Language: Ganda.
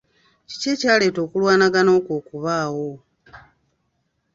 Kiki ekyaleetera okulwanagana okwo okubaawo?